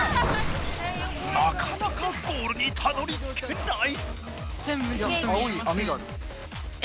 なかなかゴールにたどりつけない。